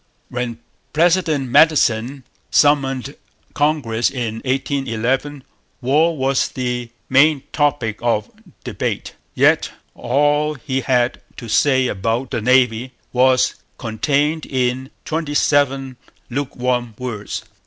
When President Madison summoned Congress in 1811 war was the main topic of debate. Yet all he had to say about the Navy was contained in twenty seven lukewarm words.